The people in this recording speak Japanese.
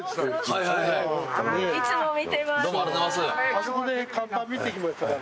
あそこで看板見てきましたから。